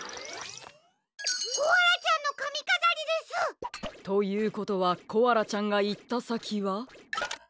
コアラちゃんのかみかざりです！ということはコアラちゃんがいったさきは？